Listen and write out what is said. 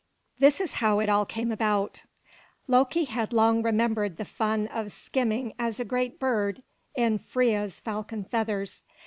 This is how it came about: Loki had long remembered the fun of skimming as a great bird in Freia's falcon feathers.